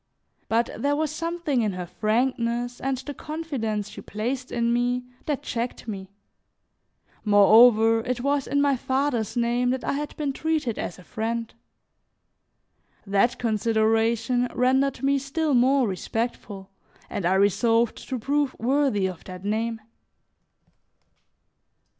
But there was something in her frankness and the confidence she placed in me, that checked me; moreover, it was in my father's name that I had been treated as a friend. That consideration rendered me still more respectful and I resolved to prove worthy of that name.